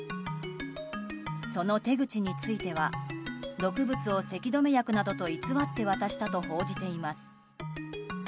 その手口については毒物をせき止め薬などと偽って渡したと報じています。